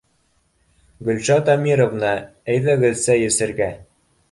— Гөлшат Әмировна, әйҙәгеҙ, сәй эсергә.